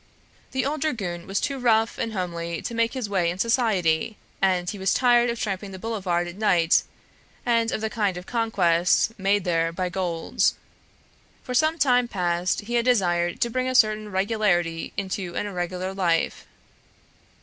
The old dragoon was too rough and homely to make his way in society, and he was tired of tramping the boulevard at night and of the kind of conquests made there by gold. For some time past he had desired to bring a certain regularity into an irregular life.